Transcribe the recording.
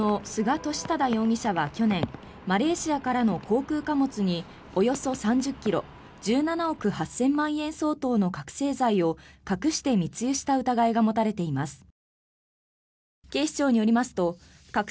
職業不詳の菅利忠容疑者は去年マレーシアからの航空貨物におよそ３０ｋｇ１７億８０００万円相当の覚醒剤を隠して密輸した疑いが持たれています。